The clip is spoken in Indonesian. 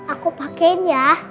aku pakein ya